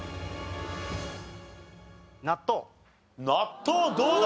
納豆どうだ？